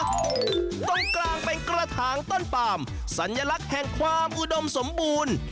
ตรงกลางเป็นกระถางต้นปามสัญลักษณ์แห่งความอุดมสมบูรณ์